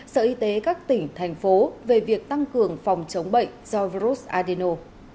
sở y tế các tỉnh thành phố về việc tăng cường phòng chống bệnh do virus adeno